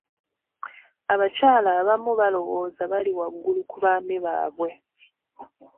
Abakyala abamu baalowooza bali waggulu ku baami baabwe.